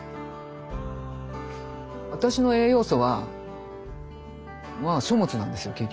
私の栄養素はまあ書物なんですよ結局。